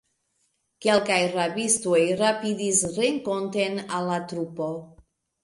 Kelkaj rabistoj rapidis renkonten al la trupo.